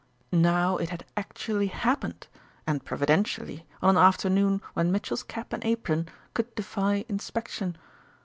Now it had actually happened, and, providentially, on an afternoon when Mitchell's cap and apron could defy inspection.